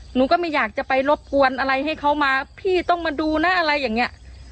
หนูก็ไม่อยากจะไปรบกวนอะไรให้เขามาพี่ต้องมาดูนะอะไรอย่างนี้